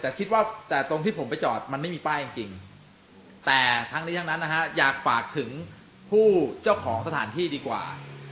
แต่คิดว่าแต่ตรงที่ผมไปจอดมันไม่มีป้ายจริงแต่ทั้งนี้ทั้งนั้นนะฮะอยากฝากถึงผู้เจ้าของสถานที่ดีกว่า